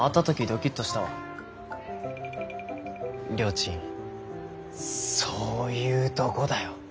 ちんそういうとごだよ！